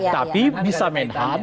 tapi bisa menham